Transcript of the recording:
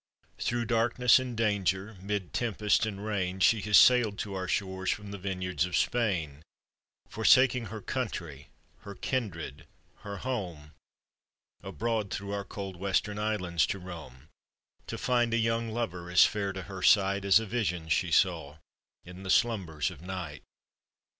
"Through darkness and danger, 'mid tempest and rain, She has sail'd to our shores from the vineyards of Spain, Forsaking her country, her kindred, her home, Abroad through our cold Western Islands to roam, To find a young lover as fair to her sight As a vision she saw in the slumbers of night.